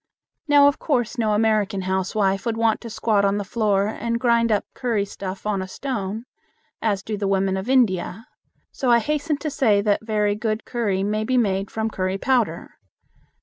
Now of course no American housewife would want to squat on the floor and grind up curry stuff on a stone, as do the women of India. So I hasten to say that very good curry may be made from curry powder.